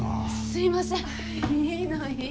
すいません。